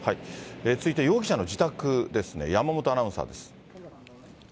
続いて容疑者の自宅ですね、山本アナウンサーです。